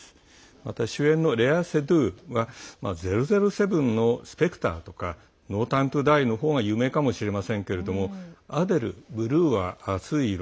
また主演のレア・セドゥは「００７」の「スペクター」ですとか「ノー・タイム・トゥ・ダイ」の方が有名かもしれませんけど「アデル、ブルーは熱い色」